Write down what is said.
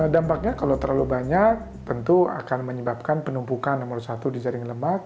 dampaknya kalau terlalu banyak tentu akan menyebabkan penumpukan nomor satu di jaring lemak